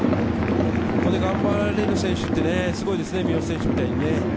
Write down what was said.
ここで頑張れる選手はすごいですね、三好選手みたいに。